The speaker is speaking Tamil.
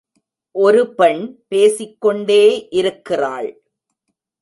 ஒரு பெண் பேசிக்கொண்டே இருக்கிறாள்.